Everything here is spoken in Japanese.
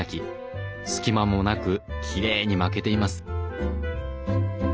隙間もなくきれいに巻けています。